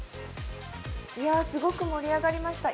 すごく盛り上がりました。